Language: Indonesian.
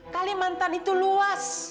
kalimantan itu luas